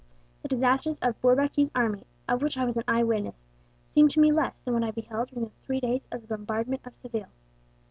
The disasters of Bourbaki's army, of which I was an eye witness, seem to me less than what I beheld during the three days of the bombardment of Seville.